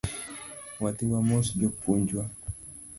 Wadhi wamos japuonj wa